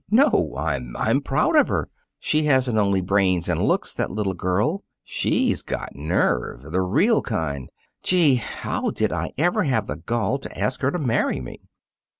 No! I'm I'm proud of her! She hasn't only brains and looks, that little girl; she's got nerve the real kind! Gee, how did I ever have the gall to ask her to marry me!"